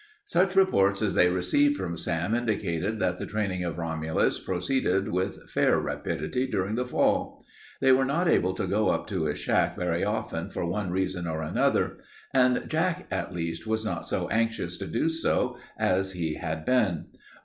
Such reports as they received from Sam indicated that the training of Romulus proceeded with fair rapidity during the fall. They were not able to go up to his shack very often for one reason or another, and Jack, at least, was not so anxious to do so as he had been.